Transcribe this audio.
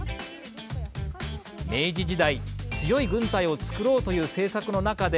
明治時代、強い軍隊を作ろうという政策の中で